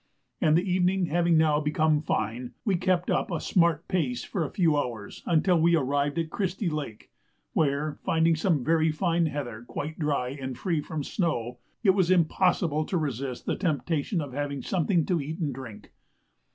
and the evening having now become fine, we kept up a smart pace for a few hours until we arrived at Christie Lake, where, finding some very fine heather quite dry and free from snow, it was impossible to resist the temptation of having something to eat and drink.